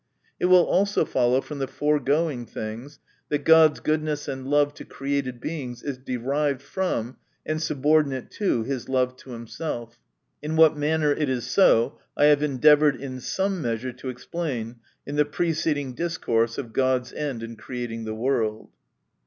— It will also fol low from the foregoing things, that God's goodness and love to created Beings, is derived from, and subordinate to his love to himself. [In what manner it is so, I have endeavoured in some measure to explain in the preceding discourse of God's end in creating the World.